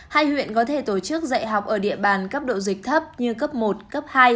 hai huyện có thể tổ chức dạy học ở địa bàn cấp độ dịch thấp như cấp một cấp hai